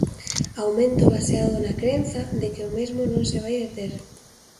Aumento baseado na crenza de que o mesmo non se vai deter.